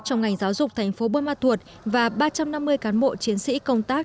trong ngành giáo dục tp bơ ma thuột và ba trăm năm mươi cán bộ chiến sĩ công tác